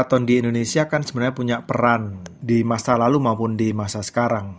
lima tahun di indonesia kan sebenarnya punya peran di masa lalu maupun di masa sekarang